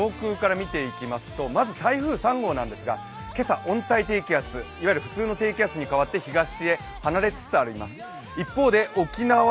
今の日本の空、上空から見ていきますとまず台風３号なんですが、今朝、温帯低気圧、いわゆる普通の低気圧に変わって東へ離れつつあります。